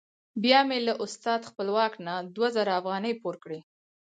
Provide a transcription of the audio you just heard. بیا مې له استاد خپلواک نه دوه زره افغانۍ پور کړې.